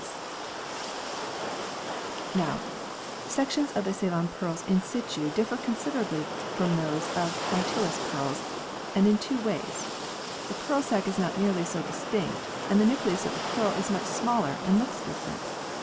vin] THE ORIGIN OF PEARLS 107 Now, sections of the Ceylon pearls in situ differ considerably from those of Mytilus pearls, and in two ways. The pearl sac is not nearly so distinct, and the nucleus of the pearl is much smaller and looks different.